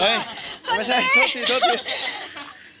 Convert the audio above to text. เฮ้ยไม่ใช่โทษทีโทษที